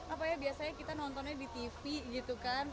apalagi biasanya kita nontonnya di tv gitu kan